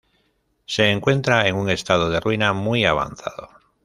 Se encuentra en un estado de ruina muy avanzado.